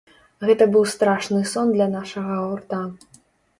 Гэта быў страшны сон для нашага гурта.